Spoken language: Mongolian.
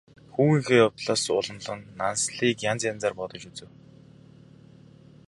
Хүүгийнхээ явдлаас уламлан Нансалыг янз янзаар бодож үзэв.